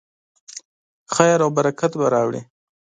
خیر او برکت به راوړي.